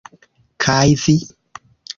Kaj vi..?